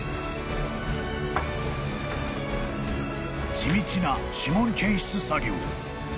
［地道な指紋検出作業］